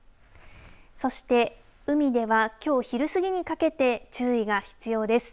そして海ではきょう昼すぎにかけて注意が必要です。